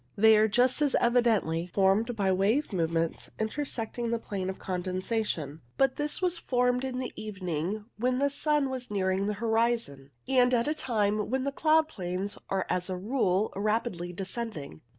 They are just as evidently formed by wave movements intersecting the plane of condensation ; but this was formed in the evening when the sun was nearing the horizon, and at a time when the cloud planes are as a rule rapidly descending.